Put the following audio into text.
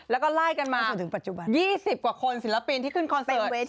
แล้วก็ไล่กันมา๒๐กว่าคนศิลปินที่ขึ้นคอนเสิร์ต